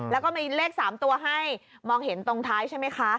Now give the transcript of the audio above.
แล้วก็มีเลข๓ตัวให้มองเห็นตรงท้ายใช่ไหมคะ